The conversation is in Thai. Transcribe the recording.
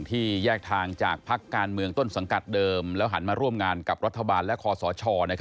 แยกทางจากพักการเมืองต้นสังกัดเดิมแล้วหันมาร่วมงานกับรัฐบาลและคอสช